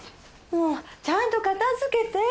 ちゃんと片付けて。